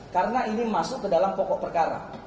karena ini masuk ke dalam pokok perkara